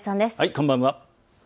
こんばんは。